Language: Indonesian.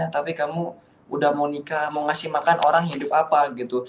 tapi kamu udah mau nikah mau ngasih makan orang hidup apa gitu